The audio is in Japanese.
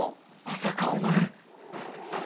まさかお前。